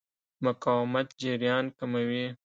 مقاومت جریان کموي.